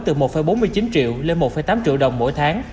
từ một bốn mươi chín triệu lên một tám triệu đồng mỗi tháng